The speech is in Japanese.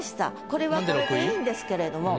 これはこれでいいんですけれども。